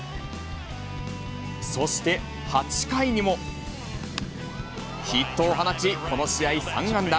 そして８回にもヒットを放ち、この試合３安打。